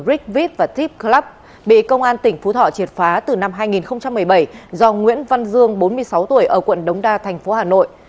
rickvip và tip club bị công an tỉnh phú thọ triệt phá từ năm hai nghìn một mươi bảy do nguyễn văn dương bốn mươi sáu tuổi ở quận đống đa thành phố hà nội